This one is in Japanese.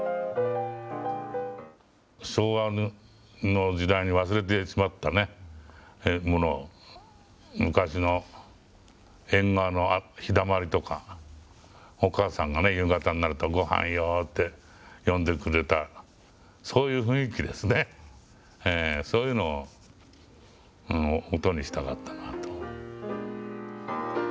昭和の時代に忘れてしまったもの、昔の縁側のひだまりとか、お母さんが夕方になるとごはんよって呼んでくれた、そういう雰囲気ですね、そういうのを音にしたかったなと。